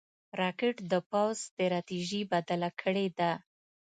راکټ د پوځ ستراتیژي بدله کړې ده